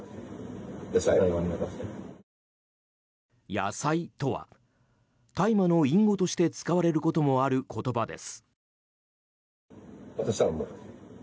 野菜とは大麻の隠語として使われることもある言葉です。